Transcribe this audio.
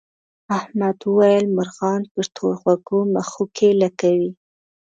احمد وویل مرغان پر تور غوږو مښوکې لکوي.